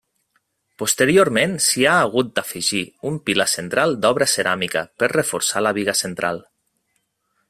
Posteriorment s'hi ha hagut d'afegir un pilar central d'obra ceràmica per reforçar la biga central.